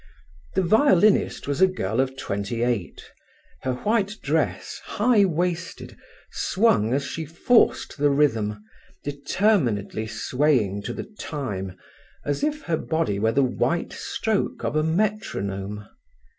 The violinist was a girl of twenty eight. Her white dress, high waisted, swung as she forced the rhythm, determinedly swaying to the time as if her body were the white stroke of a metronome.